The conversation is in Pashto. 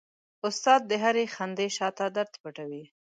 استاد د هرې خندې شاته درد پټوي.